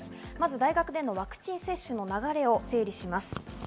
大学でのワクチン接種の流れを整理します。